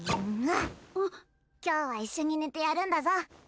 今日は一緒に寝てやるんだぞ！